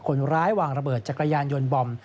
คนร้ายวางระเบิดจักรยานยนต์บอม